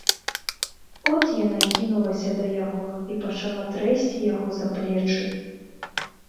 От яна кінулася да яго і пачала трэсці яго за плечы.